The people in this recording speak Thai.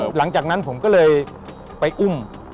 หลังจากนั้นผมก็เลยไปอุ้ม